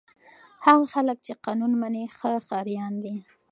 هغه خلک چې قانون مني ښه ښاریان دي.